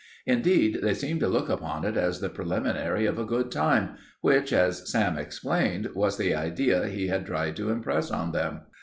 Indeed, they seemed to look upon it as the preliminary of a good time, which, as Sam explained, was the idea he had tried to impress on them.